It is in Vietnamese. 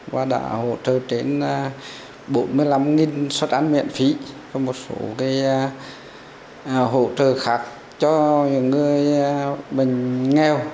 và đã hỗ trợ đến bốn mươi năm xuất ăn miễn phí và một số hỗ trợ khác cho người bệnh nghèo